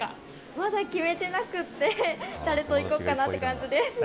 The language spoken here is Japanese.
まだ決めていなくて誰と行こうかなって感じです。